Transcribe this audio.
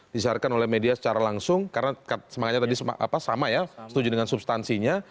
disiarkan oleh media secara langsung karena semangatnya tadi sama ya setuju dengan substansinya